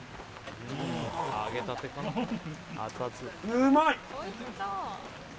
うまい！